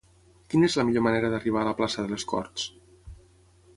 Quina és la millor manera d'arribar a la plaça de les Corts?